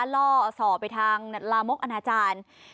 ล่อส่อไปทางลามกอนาจารย์